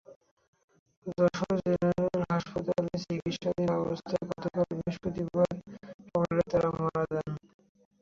Jessore general হাসপাতালে চিকিৎসাধীন অবস্থায় গতকাল বৃহস্পতিবার সকালে তাঁরা মারা যান।